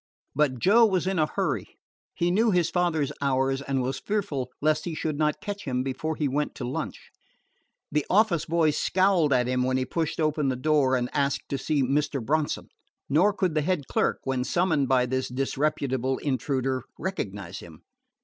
But Joe was in a hurry. He knew his father's hours, and was fearful lest he should not catch him before he went to lunch. The office boy scowled at him when he pushed open the door and asked to see Mr. Bronson; nor could the head clerk, when summoned by this disreputable intruder, recognize him.